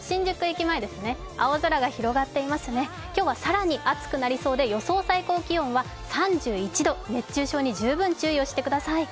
青空が広がっていますね今日は更に暑くなりそうで予想最高気温は３１度、熱中症に十分注意をしてください。